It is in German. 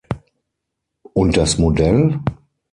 Und das Modell?